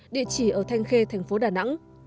địa chỉ ở thanh khê thành phố đà nẵng